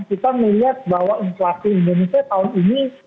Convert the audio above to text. kita melihat bahwa inflasi indonesia tahun ini